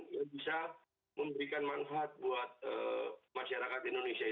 bisa memberikan manfaat buat masyarakat indonesia itu sendiri